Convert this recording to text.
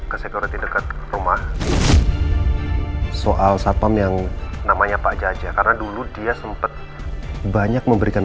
ke sekuriti dekat rumah soal satpam yang namanya pak jajak karena dulu dia sempet banyak memberikan